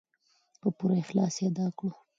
په پوره اخلاص یې ادا کړو.